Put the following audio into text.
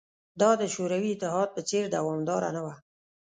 دا د شوروي اتحاد په څېر دوامداره نه وه